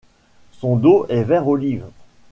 Son dos est vert olive.